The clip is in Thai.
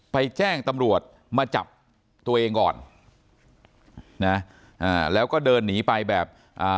แจ้งตำรวจมาจับตัวเองก่อนนะอ่าแล้วก็เดินหนีไปแบบอ่า